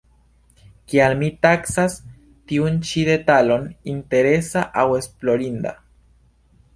Kial mi taksas tiun ĉi detalon interesa aŭ esplorinda?